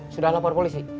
sudah lapor polisi